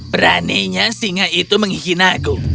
beraninya singa itu menghina aku